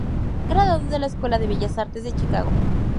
Graduado de la escuela de Bellas Artes de Chicago.